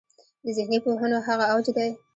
د ذهني پوهنو هغه اوج دی.